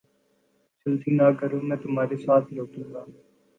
جلدی نہ کرو میں تمھارے ساتھ لوٹوں گا